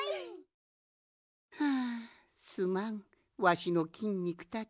はあすまんわしのきんにくたち。